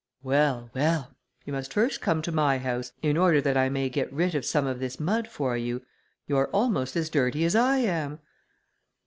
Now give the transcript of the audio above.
"Well! well! you must first come to my house, in order that I may get rid of some of this mud for you; you are almost as dirty as I am."